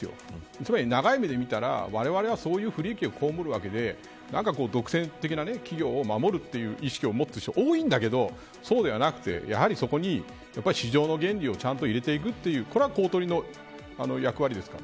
つまり長い目で見たらわれわれはそういう不利益を被るわけで独占できない企業を守るという意識を持つ人、多いんですけどそうではなくて、やはりそこに市場の原理をちゃんと入れていくこれは公取委の役割ですよ。